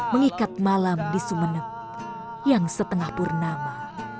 mengikat malam di sumeneb yang setengah purnama